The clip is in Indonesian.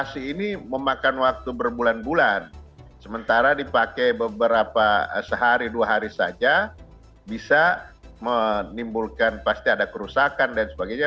semoga sehari dua hari saja bisa menimbulkan pasti ada kerusakan dan sebagainya